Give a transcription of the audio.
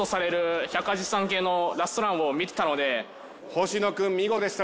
星野君見事でした。